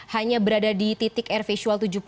hanya berada di titik air visual tujuh puluh